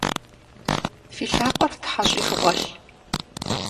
Фи лъакъуэр фтхьэщӏи фыгъуэлъ!